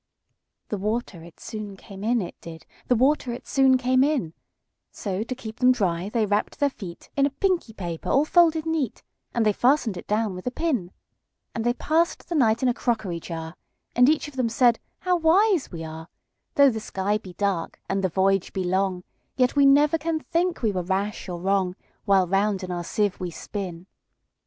The water it soon came in, it did; The water it soon came in:So, to keep them dry, they wrapp'd their feetIn a pinky paper all folded neat:And they fasten'd it down with a pin. And they pass'd the night in a crockery jar; And each of them said, "How wise we are! Though the sky be dark, and the voyage be long, Yet we never can think we were rash or wrong, While round in our sieve we spin."